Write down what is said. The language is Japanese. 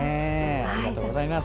ありがとうございます。